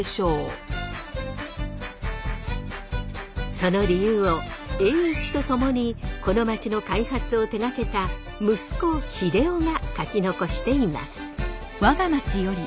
その理由を栄一と共にこの街の開発を手がけた息子秀雄が書き残しています。